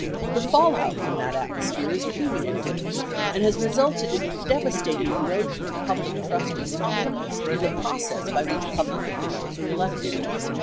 1109 The fallout from that atmosphere is cumulative and has resulted in a devastating erosion of public trust and confidence in the process by which public officials are elected.